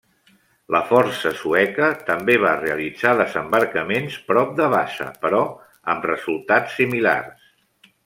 La força sueca també va realitzar desembarcaments prop de Vasa, però amb resultats similars.